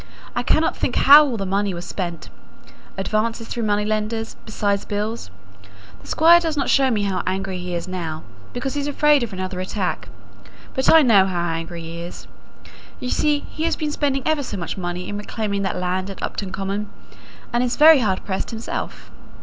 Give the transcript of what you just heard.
I cannot think how all the money was spent advances through money lenders, besides bills. The Squire does not show me how angry he is now, because he's afraid of another attack; but I know how angry he is. You see he has been spending ever so much money in reclaiming that land at Upton Common, and is very hard pressed himself.